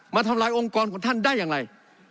ทำลายองค์กรของท่านได้อย่างไร